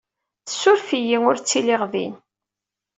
Ssuref-iyi, ur ttiliɣ din.